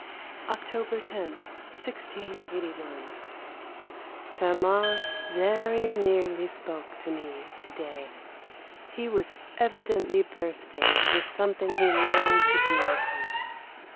October 10,1681. Saint Mars very nearly spoke to me to day. He was evidently bursting with something he longed to communicate.